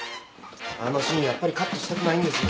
あのシーンやっぱりカットしたくないんですよね。